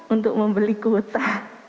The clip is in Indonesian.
untuk membeli kuota